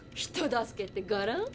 「人助け」ってがら？